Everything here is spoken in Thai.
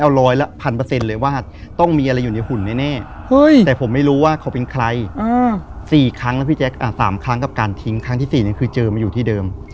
วันที่๔คือเจอมาอยู่ที่เดิม